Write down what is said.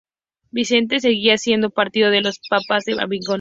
Vicente seguía siendo partidario de los papas de Avignon.